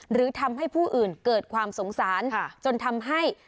หรือทำให้ผู้อื่นเกิดความสงสารจนทำให้